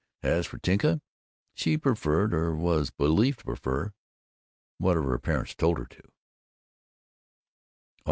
As for Tinka, she preferred, or was believed to prefer, whatever her parents told her to.